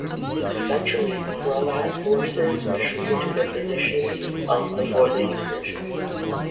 Eventually, Croat forces retreated to their positions of before the incursion.